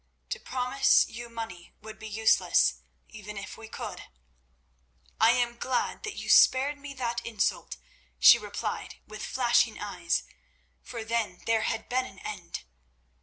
"To promise you money would be useless, even if we could." "I am glad that you spared me that insult," she replied with flashing eyes, "for then there had been an end.